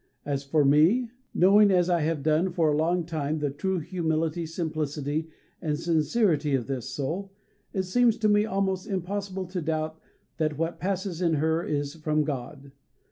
As for me, knowing as I have done for a long time the true humility, simplicity, and sincerity of this soul, it seems to me almost impossible to doubt that what passes in her is from God.